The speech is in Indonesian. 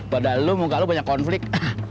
padahal lo muka lo banyak konflik